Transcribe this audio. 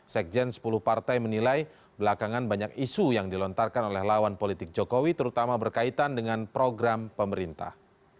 sekjen sepuluh partai menilai belakangan banyak isu yang dilontarkan oleh lawan politik jokowi terutama berkaitan dengan program pemerintah